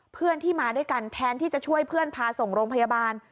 เพื่อนที่มาด้วยกันแทนที่จะช่วยเพื่อนพาส่งโรงพยาบาล